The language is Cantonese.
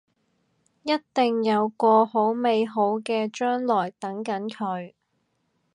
一定有個好美好嘅將來等緊佢